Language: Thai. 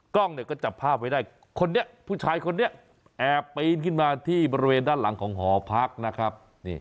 กล้องเนี่ยก็จับภาพไว้ได้คนนี้ผู้ชายคนนี้แอบปีนขึ้นมาที่บริเวณด้านหลังของหอพักนะครับ